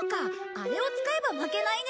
あれを使えば負けないね。